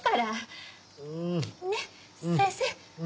ねっ先生。